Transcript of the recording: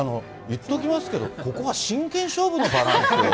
言っときますけど、ここは真剣勝負の場なんですよ。